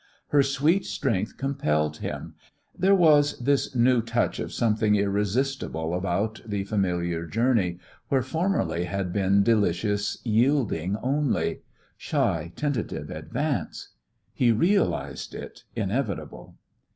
Her sweet strength compelled him; there was this new touch of something irresistible about the familiar journey, where formerly had been delicious yielding only, shy, tentative advance. He realised it inevitable.